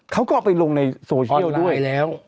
เขาก็เอาไปลงในโซเชียลด้วยแล้ว